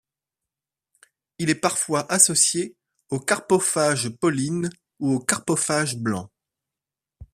Il est parfois associé au Carpophage pauline ou au Carpophage blanc.